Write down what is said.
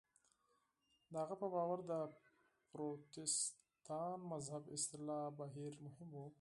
د هغه په باور د پروتستان مذهب اصلاح بهیر مهم و.